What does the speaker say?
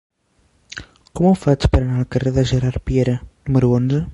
Com ho faig per anar al carrer de Gerard Piera número onze?